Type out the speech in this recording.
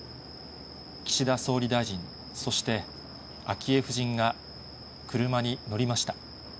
岸田総理大臣、そして昭恵夫人が車に乗りました。